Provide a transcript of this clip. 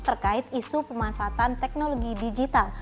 terkait isu pemanfaatan teknologi digital